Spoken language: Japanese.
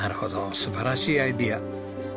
素晴らしいアイデア。